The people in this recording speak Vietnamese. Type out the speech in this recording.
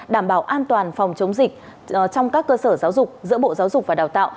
đảm bảo an toàn phòng chống dịch trong các cơ sở giáo dục giữa bộ giáo dục và đào tạo